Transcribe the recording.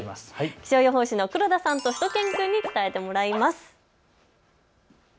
気象予報士の黒田さんとしゅと犬くんに伝えてもらいます。